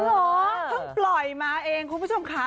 เพิ่งปล่อยมาเองคุณผู้ชมค่ะ